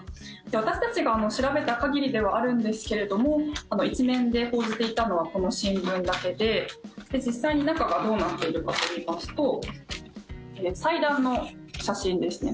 私たちが調べた限りではあるんですけれども１面で報じていたのはこの新聞だけで実際に中がどうなっているかといいますと祭壇の写真ですね。